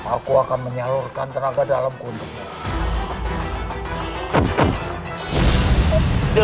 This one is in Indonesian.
aku akan menyalurkan tenaga dalam keuntungan